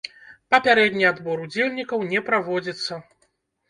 Папярэдні адбор удзельнікаў не праводзіцца.